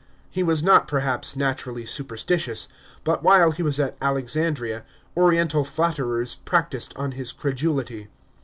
He was not, perhaps naturally superstitious, but while he was at Alexandria, oriental flatterers practised on his credulity.